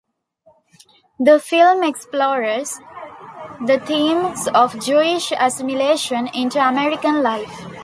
The film explores the themes of Jewish assimilation into American life.